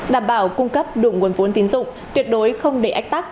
đảm bảo cung cấp đủ nguồn vốn tín dụng tuyệt đối không để ách tắc